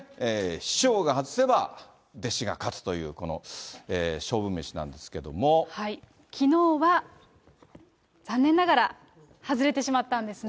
師匠が外せば弟子が勝つという、こきのうは、残念ながら外れてしまったんですね。